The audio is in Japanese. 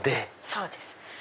そうです。